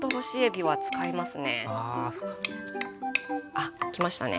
あっきましたね。